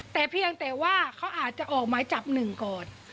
แต่เพียงแต่ว่าเขาอาจจะออกหมายจับหนึ่งก่อน